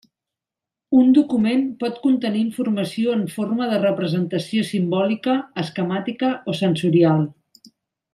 Un document pot contenir informació en forma de representació simbòlica, esquemàtica o sensorial.